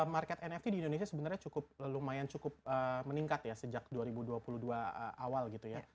market nft di indonesia sebenarnya cukup lumayan cukup meningkat ya sejak dua ribu dua puluh dua awal gitu ya